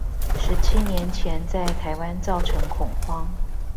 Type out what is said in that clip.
十七年前在台灣造成恐慌